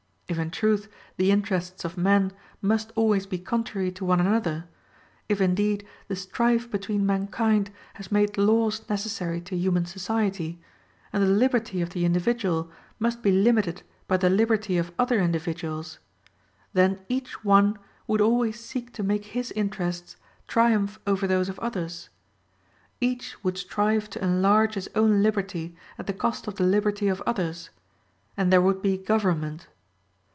If in truth, the interests of men must always be contrary to one another; if indeed, the strife between mankind has made laws necessary to human society, and the liberty of the individual must be limited by the liberty of other individuals; then each one would always seek to make his interests triumph over those of others. Each would strive to enlarge his own liberty at the cost of the liberty of others, and there would be government.